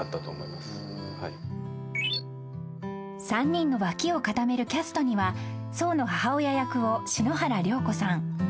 ［３人の脇を固めるキャストには想の母親役を篠原涼子さん